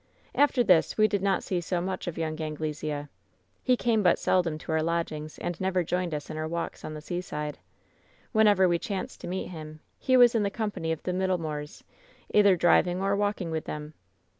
"After this we did not see so much of young Angle sea. "He came but seldom to our lodgings, and never joined us in our walks on the seaside. Whenever we chanced to meet him, he was in the company of the Middlemoors, either driving or walking with them.